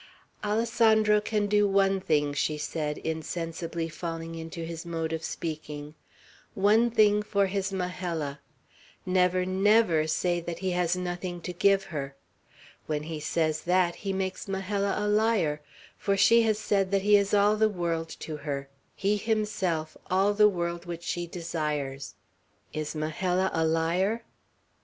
"Alessandro can do one thing," she said, insensibly falling into his mode of speaking, "one thing for his Majella: never, never say that he has nothing to give her. When he says that, he makes Majella a liar; for she has said that he is all the world to her, he himself all the world which she desires. Is Majella a liar?"